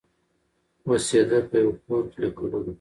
اوسېده په یوه کورکي له کلونو